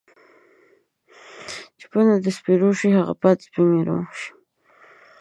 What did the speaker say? چې په تمه د سپرو شي ، هغه پاتې په میرو ښی